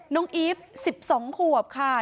น้องอีฟ๑๒ควบค่ะ